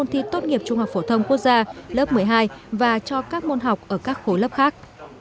thi tốt nghiệp trung học phổ thông quốc gia lớp một mươi hai và cho các môn học ở các khối lớp khác